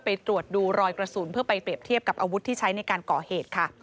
ไปตรวจดูรอยกระสุนเพื่อไปเปรียบเทียบกับอาวุธที่ใช้ในการก่อเหตุค่ะ